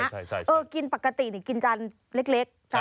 ถ้าชั่งกินปกติกินจานเล็ก